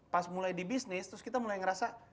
pas mulai di bisnis terus kita mulai ngerasa